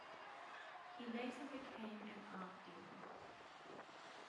He later became an art dealer.